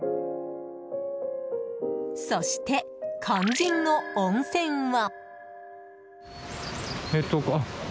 そして肝心の温泉は。